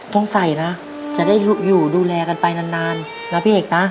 ต้องใส่นะจะได้อยู่ดูแลกันไปนานนะพี่เอกนะ